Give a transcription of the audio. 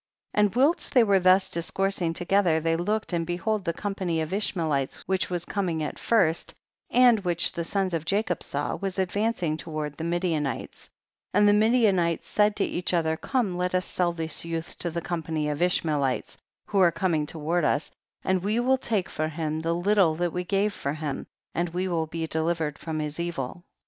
23. And whilst they were thus dis coursing together, they looked, and behold the company of Ishmaelites which was coming at first, and which the sons of Jacob saw, was advanc ing toward the Midianites, and the Midianites said to each other, come let us sell this youth to the company of Ishmaelites who are coming to ward us, and we will take for him the little that we gave for him, and we will be delivered from his evil.